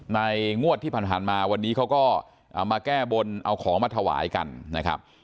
งวดที่ผ่านมาวันนี้เขาก็มาแก้บนเอาของมาถวายกันนะครับ